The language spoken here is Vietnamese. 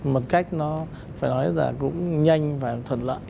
một cách cũng phải nói là nhanh và thuận lợi